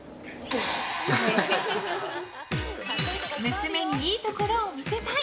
娘にいいところを見せたい。